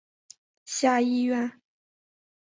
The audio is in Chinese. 下议院。